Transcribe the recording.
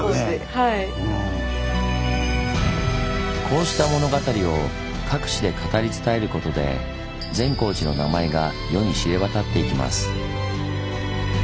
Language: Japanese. こうした物語を各地で語り伝えることで善光寺の名前が世に知れ渡っていきます。